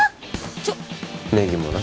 ちょっネギもな